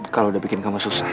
kalau udah bikin kamu susah